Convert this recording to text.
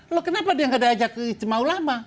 loh kenapa dia nggak diajak ke istimewa ulama